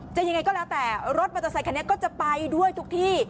จะยังไงก็แล้วแต่รถมันจะใส่คันนี้ก็จะไปด้วยทุกที่